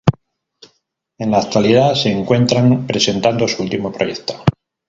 En la actualidad se encuentran presentando su último proyecto.